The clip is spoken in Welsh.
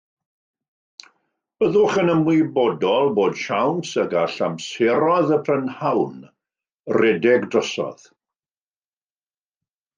Byddwch yn ymwybodol bod siawns y gall amseroedd y prynhawn rhedeg drosodd